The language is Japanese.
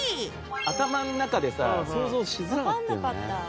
頭の中でさ想像しづらかったよね。